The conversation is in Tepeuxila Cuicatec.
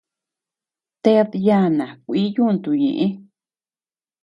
Ted yàna kuí yuntu ñëʼe.